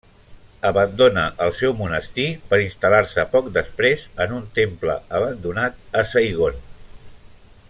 Abandona el seu monestir per instal·lar-se poc després en un temple abandonat a Saigon.